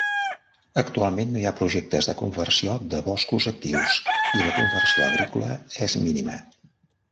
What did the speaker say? Actualment no hi ha projectes de conversió de boscos actius, i la conversió agrícola és mínima.